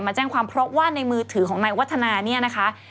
มาแจ้งความเพราะว่าในมือถือของนายวัฒนาเนี่ยนะคะ